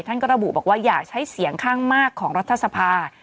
ท่านก็ระบุบอกว่าอยากใช้เสียงข้างมากของรัฐสภา